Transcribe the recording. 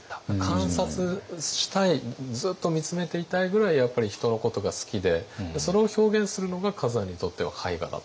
観察したいずっと見つめていたいぐらいやっぱり人のことが好きでそれを表現するのが崋山にとっては絵画だった。